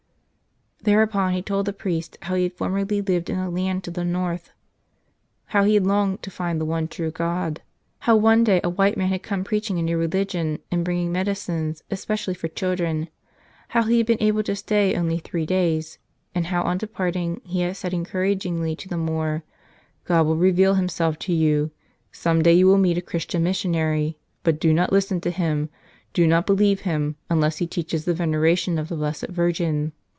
Thereupon he told the priest how he had formerly lived in a land to the north; how he had longed to find the one true God; how one day a white man had come preaching a new religion and bringing medicines, especially for children; how he had been able to stay only three days, and how on departing he had said encouragingly to the Moor: "God will reveal Himself to you. Some day you will meet a Christian mis¬ sionary. But do not listen to him, do not believe him, unless he teaches the veneration of the Blessed Virgin."